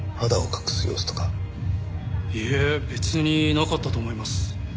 いえ別になかったと思います。